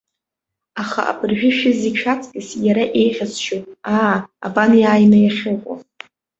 Аха абыржәы шәызегь шәаҵкьыс иара еиӷьасшьоит, аа, абан иааины иахьыҟоу.